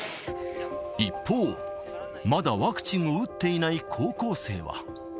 一方、まだワクチンを打っていない高校生は。